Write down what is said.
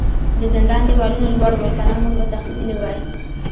د زندان دیوالونه لوړ ول کنه موږ به تښتیدلي وای